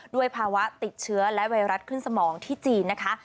ด้วยภาวะติดเชื้อและไวรัสขึ้นสมองที่จีนนะคะ